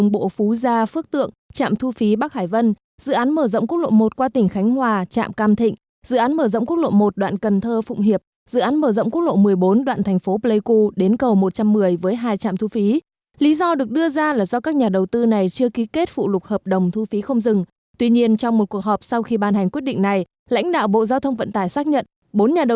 bộ giao thông vận tải xác nhận bốn nhà đầu tư này đã ký phụ lục hợp đồng thu phí không dừng